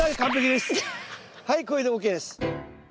はいこれでＯＫです。